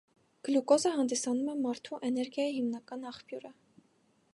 Գլյուկոզը հանդիսանում է մարդու էներգիայի հիմնական աղբյուրը։